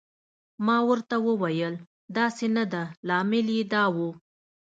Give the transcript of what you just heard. ما ورته وویل: داسې نه ده، لامل یې دا و.